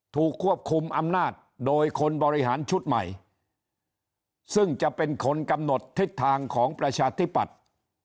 ถูกควบคุมอำนาจโดยคนบริหารชุดใหม่ซึ่งจะเป็นคนกำหนดทิศทางของประชาธิปัตย์